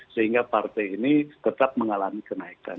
sehingga partai ini tetap mengalami kenaikan